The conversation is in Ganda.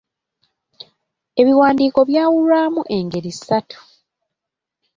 Ebiwandiiko byawulwamu engeri ssatu.